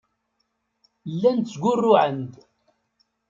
Llan ttgurruɛen-d.